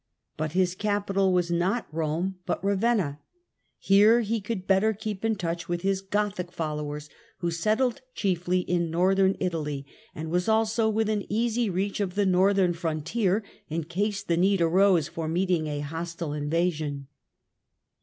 But his capital was not Eome out Eavenna. Here he could better keep in touch with h\is Gothic followers, who settled chiefly in Northern [taly, and was also within easy reach of the northern frontier in case the need arose for meeting a hostile invasion.